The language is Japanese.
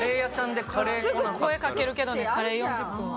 すぐ声かけるけどねカレー４０分は。